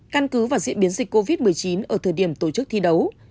căn cứ vào diễn biến dịch covid một mươi chín ở thời điểm tổ chức thi đấu